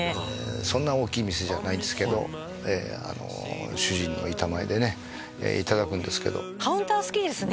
そんな大きい店じゃないんですけど主人の板前でねいただくんですけどカウンター好きですね